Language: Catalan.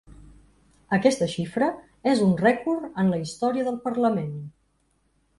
Aquesta xifra és un rècord en la història del parlament.